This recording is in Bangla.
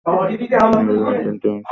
নিউরনের তিনটি অংশ আছে।